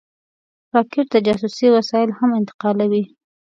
راکټ د جاسوسۍ وسایل هم انتقالوي